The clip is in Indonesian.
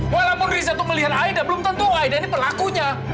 walaupun riset itu melihat aida belum tentu aida ini pelakunya